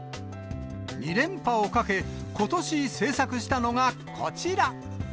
２連覇をかけ、ことし制作したのがこちら。